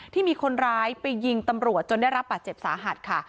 ที่มีคนร้ายไปยิงตำรวจจนได้รับบาดเจ็บสาหัสค่ะ